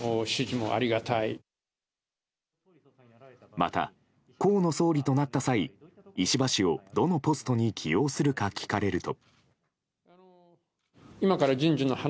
また、河野総理となった際石破氏を、どのポストに起用するか聞かれると。